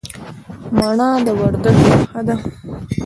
مڼه د وردګو نښه ده.